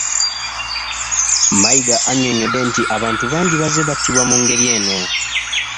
Mayiga annyonnyodde nti abantu bangi bazze battibwa mu ngeri eno.